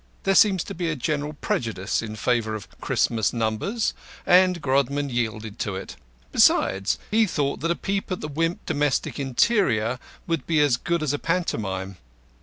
There seems to be a general prejudice in favour of Christmas numbers, and Grodman yielded to it. Besides, he thought that a peep at the Wimp domestic interior would be as good as a pantomime.